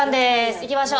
行きましょう。